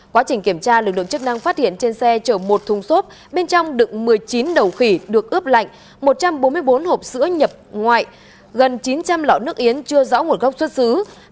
quá trình kiểm tra lực lượng chức năng phát hiện trên xe chở một thùng xốp bên trong đựng một mươi chín đầu khỉ được ướp lạnh một trăm bốn mươi bốn hộp sữa nhập ngoại gần chín trăm linh lọ nước yến chưa rõ nguồn gốc xuất xứ